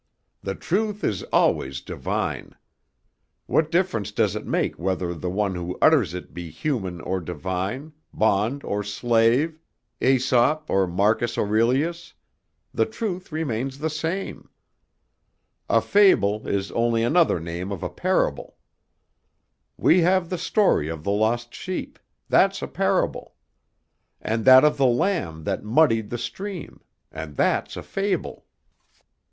The truth is always divine. What difference does it make whether the one who utters it be human or divine, bond or slave, Æsop or Marcus Aurelius? the truth remains the same. A fable is only another name of a parable. We have the story of the lost sheep; that's a parable; and that of the lamb that muddied the stream, and that's a fable.